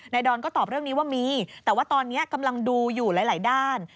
ดอนก็ตอบเรื่องนี้ว่ามีแต่ว่าตอนนี้กำลังดูอยู่หลายด้าน